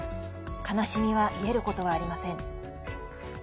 悲しみは癒えることはありません。